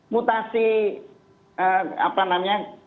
mutasi apa namanya